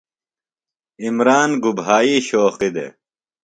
عمران گُبھائی شوقیُ دےۡ؟